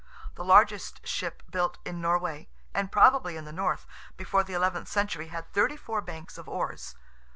The largest ship built in Norway, and probably in the north, before the eleventh century, had 34 banks of oars.